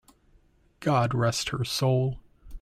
God rest her soul!